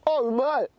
うまい！